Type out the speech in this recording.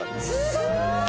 すごい！